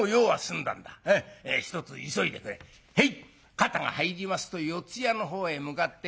肩が入りますと四ッ谷のほうへ向かって。